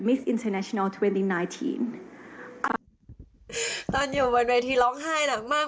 แบบมันคือดีใจตัวที่เพื่อนรัก